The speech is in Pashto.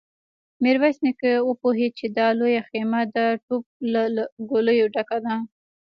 ميرويس نيکه وپوهيد چې دا لويه خيمه د توپ له ګوليو ډکه ده.